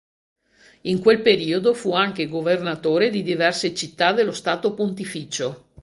In quel periodo fu anche "governatore" di diverse città dello Stato Pontificio.